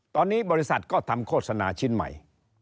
ตอนนี้บริษัทก็ทำโฆษณาชิ้นใหม่